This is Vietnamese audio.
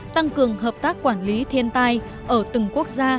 tăng cường hợp tác quản lý thiên tai ở từng quốc gia